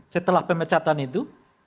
setelah pemecatan itu